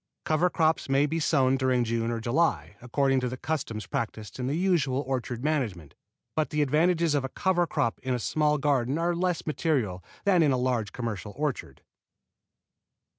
Cover crops may be sown during June or July, according to the custom practised in the usual orchard management; but the advantages of a cover crop in a small garden are less material than in a large commercial orchard.